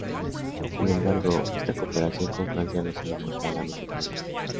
Sin embargo, esta cooperación con Francia no se limita al ámbito económico.